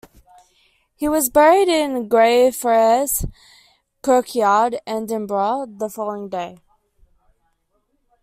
He was buried in Greyfriars Kirkyard, Edinburgh, the following day.